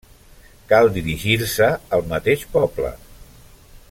Cal dirigir-se al mateix poble.